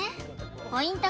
ポイント